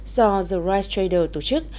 do the rice trader tổ chức